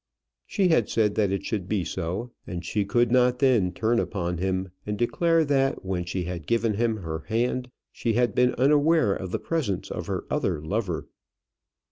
She had said that it should be so, and she could not then turn upon him and declare that when she had given him her hand, she had been unaware of the presence of her other lover.